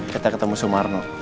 kita ketemu sumarno